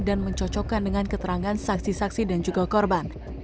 dan mencocokkan dengan keterangan saksi saksi dan juga korban